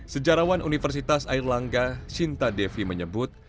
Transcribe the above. sejarawan universitas airlangga sinta devi menyebut